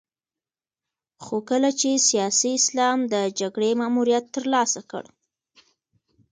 خو کله چې سیاسي اسلام د جګړې ماموریت ترلاسه کړ.